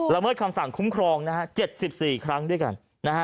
เมิดคำสั่งคุ้มครอง๗๔ครั้งด้วยกัน